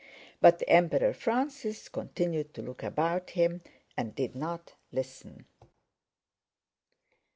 But the Emperor Francis continued to look about him and did not listen.